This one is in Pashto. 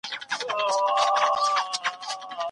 مثبت خلګ مو د ژوند همکاران دي.